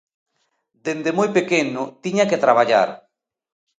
Dende moi pequeno tiña que traballar.